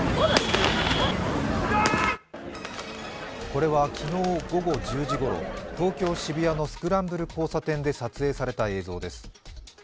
これは昨日午後１０時ごろ、東京・渋谷のスクランブル交差点で撮影された映像です。